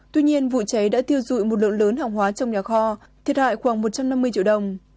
tuy nhiên vụ cháy đã thiêu dụi một lượng lớn hàng hóa trong nhà kho thiệt hại khoảng một trăm năm mươi triệu đồng